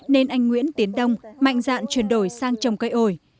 nên anh nguyễn tiến đông mạnh dạn chuyển đổi sang trồng cây ổi